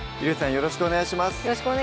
よろしくお願いします